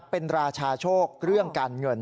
เป็นราชาโชคเรื่องการเงิน